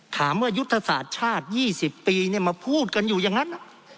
ถามว่ายุทธศาสตร์ชาติยี่สิบปีเนี่ยมาพูดกันอยู่อย่างนั้น